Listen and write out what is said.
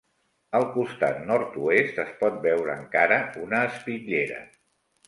Al costat nord-oest es pot veure encara una espitllera.